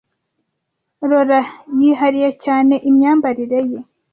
Laura yihariye cyane imyambarire ye.